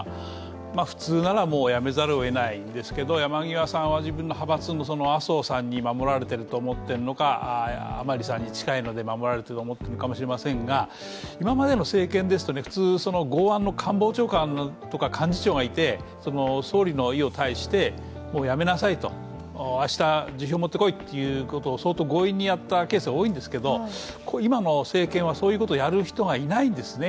普通ならもうやめざるをえないですが、山際さんは自分の派閥の麻生さんに守られてると思ってるのか甘利さんに近いので守られてると思ってるのか知りませんが今までの政権ですと普通、剛腕の官房長官とか幹事長がいて、総理の意を介して、辞めなさいと、明日、辞表を持ってきなさいと強引にやったケースが多いんですが今の政権はそういうことをやる人がいないんですね。